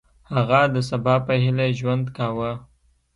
هغه د سبا په هیله ژوند کاوه.